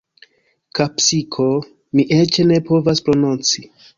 Kapsiko... mi eĉ ne povas prononci.